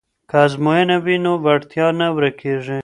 که ازموینه وي نو وړتیا نه ورکیږي.